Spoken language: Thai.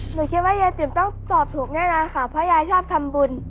หนูคิดว่ายายติ๋มต้องตอบถูกแน่นอนค่ะเพราะยายชอบทำบุญ